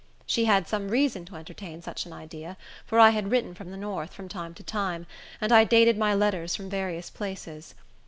She had some reason to entertain such an idea; for I had written from the north, from time to time, and I dated my letters from various places.